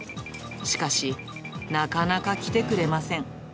しかし、なかなか来てくれません。